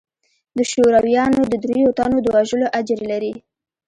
د شورويانو د درېو تنو د وژلو اجر لري.